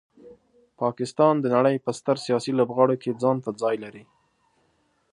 پاکستان د نړۍ په ستر سیاسي لوبغاړو کې ځانته ځای لري.